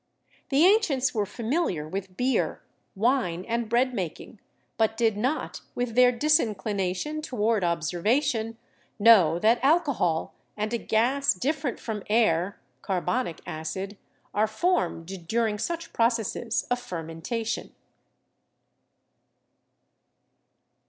The an cients were familiar with beer, wine and bread making, but did not, with their disinclination toward observation, know that alcohol and a gas different from air (carbonic acid) are formed during such processes of fermentation.